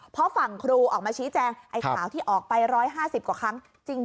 เพราะฝั่งครูออกมาชี้แจงไอ้ข่าวที่ออกไป๑๕๐กว่าครั้งจริง